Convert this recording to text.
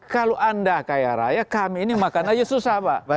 kalau anda kaya raya kami ini makan aja susah pak